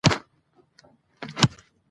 مراد باید کور درلودلی وای.